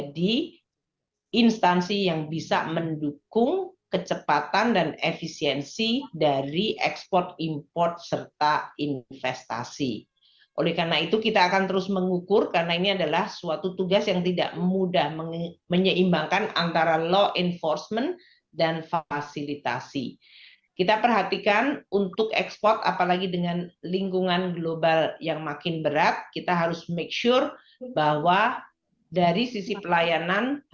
dengan lingkungan global yang makin berat kita harus make sure bahwa dari sisi pelayanan harus makin dipermudah dan ditingkatkan